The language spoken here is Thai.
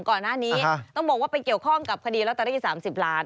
ก่อนหน้านี้ต้องบอกว่าไปเกี่ยวข้องกับคดีลอตเตอรี่๓๐ล้าน